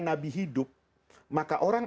nabi hidup maka orang